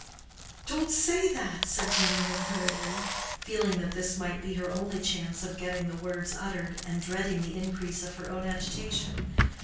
"Don't say that," said Gwendolen, hurriedly, feeling that this might be her only chance of getting the words uttered, and dreading the increase of her own agitation.